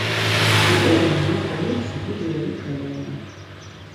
Увогуле, мне здаецца, будзе вялікая вайна.